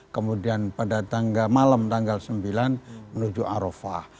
kemudian pada tanggal malam tanggal sembilan menuju arafah